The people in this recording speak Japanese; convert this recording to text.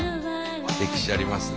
歴史ありますね。